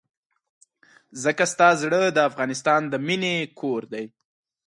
ځکه ستا زړه د افغانستان د مينې کور دی.